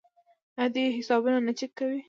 آیا دوی حسابونه نه چک کوي؟